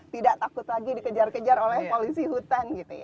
tidak takut lagi dikejar kejar oleh polisi hutan